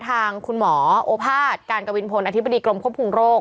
ทางคุณหมอโอภาษย์การกวินพลอธิบดีกรมควบคุมโรค